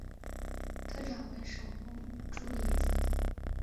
特产为手工猪胰子。